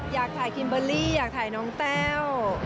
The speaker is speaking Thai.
อยากถ่ายคิมเบอร์รี่อยากถ่ายน้องแต้ว